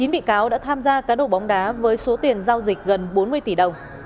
chín bị cáo đã tham gia cá độ bóng đá với số tiền giao dịch gần bốn mươi tỷ đồng